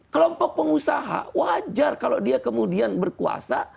kelompok pengusaha wajar kalau dia kemudian berkuasa